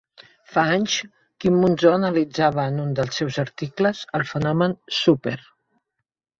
Fa anys Quim Monzó analitzava en un dels seus articles el fenomen "súper".